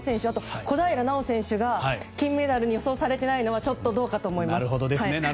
あと、小平奈緒選手が金メダルに予想されていないのはちょっとどうかと思います。